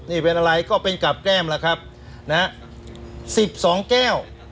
นี่เป็นอะไรก็เป็นกับแก้มล่ะครับนะฮะสิบสองแก้ว